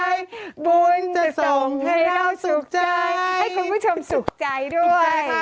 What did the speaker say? ให้คุณผู้ชมสุขใจด้วย